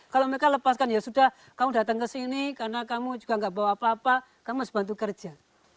kalau mereka lepaskan ya sudah kamu datang ke sini karena kamu juga nggak bawa apa apa kamu harus bantu kerja